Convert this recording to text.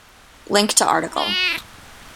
Link to article.